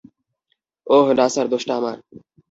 ওহ, না স্যার, দোষটা আমার।